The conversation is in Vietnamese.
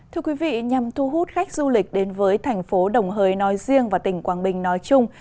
thưa quý vị nhằm thu hút khách du lịch đến với thành phố đồng hới nói riêng và tỉnh quảng bình nói chung